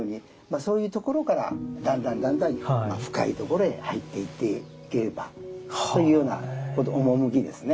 そういうところからだんだんだんだん深いところへ入っていっていければというような趣ですね。